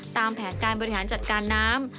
ตามแผนการบริหารจัดการน้ำ